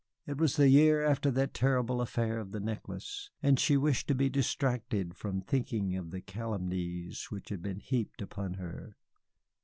It was a year after that terrible affair of the necklace, and she wished to be distracted from thinking of the calumnies which were being heaped upon her.